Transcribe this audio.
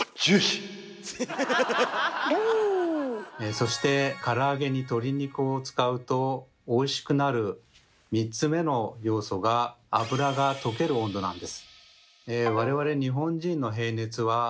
そしてから揚げに鶏肉を使うとおいしくなる３つ目の要素が脂が溶ける温度なんです。